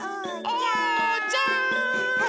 おうちゃん！